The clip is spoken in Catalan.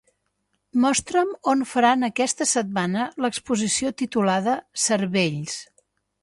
Mostra'm on faran aquesta setmana l'exposició titulada "Cervells".